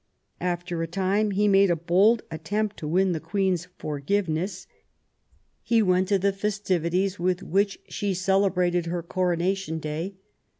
After a time he made a bold attempt to win the Queen's forgiveness. He went to the festivities with which she celebrated her coronation day.